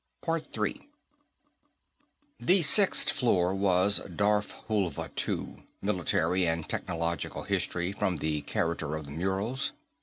The sixth floor was Darfhulva, too; military and technological history, from the character of the murals.